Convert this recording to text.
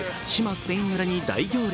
スペイン村に大行列。